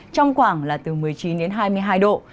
trong khoảng là từ một mươi chín đến hai mươi hai độ